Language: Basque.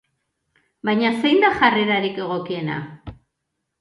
Baina zein da jarrerarik egokiena?